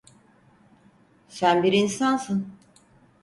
Sen bir insansın.